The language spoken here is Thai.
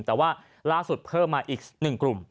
แต่ว่าล่าสุดเพิ่มมาอีก๑กลุ่ม